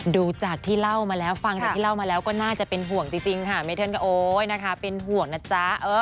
ดูจากที่เล่ามาแล้วฟังจากที่เล่ามาแล้วก็น่าจะเป็นห่วงจริงค่ะเมเทิร์นก็โอ๊ยนะคะเป็นห่วงนะจ๊ะ